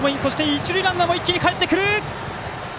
一塁ランナーも一気にかえってきた！